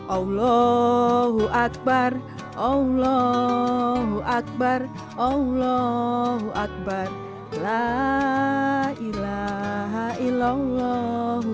allah akbar allah akbar allah akbar la ilaha illallah